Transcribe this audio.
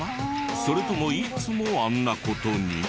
それともいつもあんな事に？